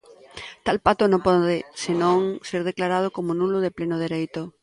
Tal pacto non pode senón ser declarado como nulo de pleno dereito.